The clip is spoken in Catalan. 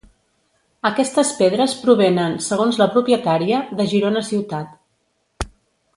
Aquestes pedres provenen, segons la propietària, de Girona ciutat.